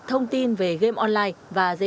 thông tin về game online